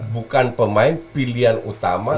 bukan pemain pilihan utama